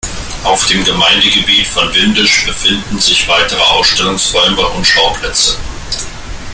Auf dem Gemeindegebiet von Windisch befinden sich weitere Ausstellungsräume und Schauplätze.